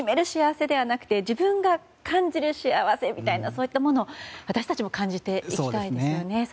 幸せではなくて自分が感じる幸せみたいなそういったものを私たちも感じて生きたいですよね。